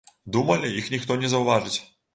Думалі, іх ніхто не заўважыць.